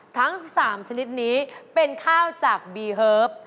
ทั้ง๓ชนิดนี้เป็นข้าวจากบีเฮิร์ฟ